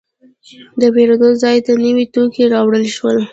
د پیرود ځای ته نوي توکي راوړل شول.